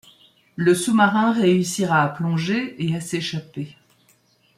Le sous-marin réussira à plonger et à s'échapper.